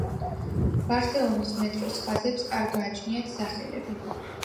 ბარსელონის მეტროს ხაზებს არ გააჩნიათ სახელები.